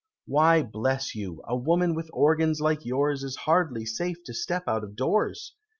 "Why, bless you, a woman with organs like yours Is hardly safe to step out of doors!